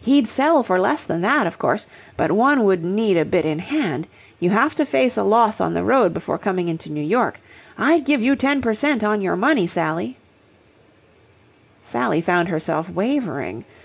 "He'd sell for less than that, of course, but one would need a bit in hand. You have to face a loss on the road before coming into New York. I'd give you ten per cent on your money, Sally." Sally found herself wavering.